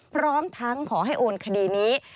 พร้อมทั้งขอให้โอนคดีนี้